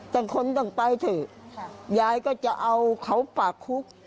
คนต้องไปเถอะยายก็จะเอาเขาปากคุก